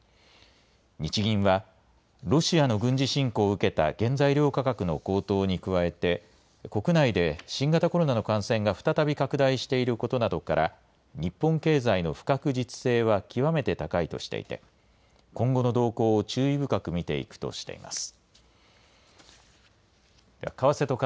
日銀は、ロシアの軍事侵攻を受けた原材料価格の高騰に加えて、国内で新型コロナの感染が再び拡大していることなどから、日本経済の不確実性は極めて高いとしていて、今後の動向を注意深く見ていくとしています。